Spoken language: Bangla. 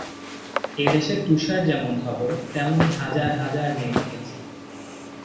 এ দেশের তুষার যেমন ধবল, তেমনি হাজার হাজার মেয়ে দেখেছি।